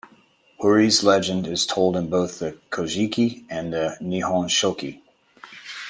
Hoori's legend is told in both the "Kojiki" and the "Nihonshoki".